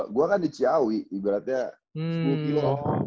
gue kan di ciawi ibaratnya sepuluh kilo